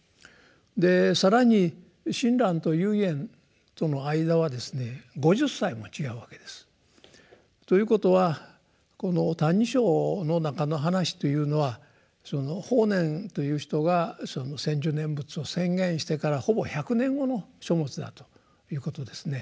で更に親鸞と唯円との間はですね５０歳も違うわけです。ということはこの「歎異抄」の中の話というのはその法然という人が「専修念仏」を宣言してからほぼ１００年後の書物だということですね。